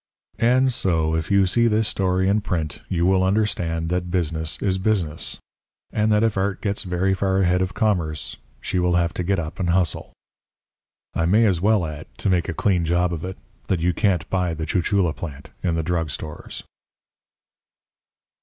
And so if you see this story in print you will understand that business is business, and that if Art gets very far ahead of Commerce, she will have to get up and hustle. I may as well add, to make a clean job of it, that you can't buy the chuchula plant in the drug stores.